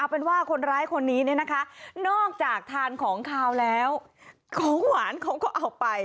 เป็นว่าคนร้ายคนนี้เนี่ยนะคะนอกจากทานของขาวแล้วของหวานเขาก็เอาไป